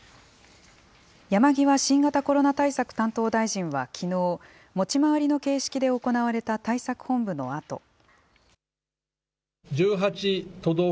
山際新型コロナ対策担当大臣はきのう、持ち回りの形式で行われた対策本部のあと。